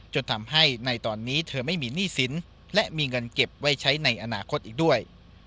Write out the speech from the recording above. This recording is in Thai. จนทำให้ในตอนนี้เธอไม่มีหนี้สินและมีเงินเก็บไว้ใช้ในอนาคตอีกด้วย